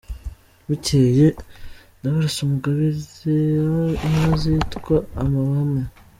Bukeye Ndabarasa amugabira inka zitwa Amahame.